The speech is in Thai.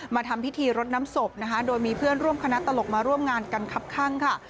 ทำพิธีรดน้ำศพนะคะโดยมีเพื่อนร่วมคณะตลกมาร่วมงานกันครับข้างค่ะ